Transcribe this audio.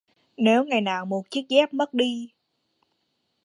Nếu ngày nào một chiếc dép mất đi